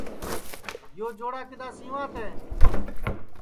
یو چوڑا کِدؔا سیواں تیں